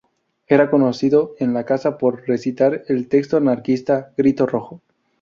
Era conocido en la Casa por recitar el texto anarquista "Grito Rojo".